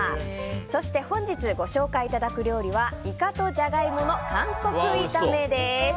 そして本日ご紹介いただく料理はイカとジャガイモの韓国炒めです。